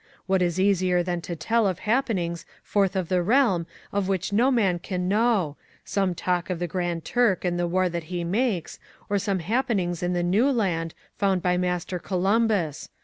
What is easier than to tell of happenings forth of the realm of which no man can know, some talk of the Grand Turk and the war that he makes, or some happenings in the New Land found by Master Columbus.